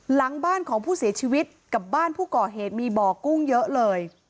หลังบ้านของผู้เสียชีวิตกับบ้านผู้ก่อเหตุมีบ่อกุ้งเยอะเลย